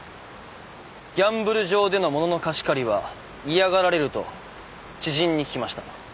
ギャンブル場での物の貸し借りは嫌がられると知人に聞きました。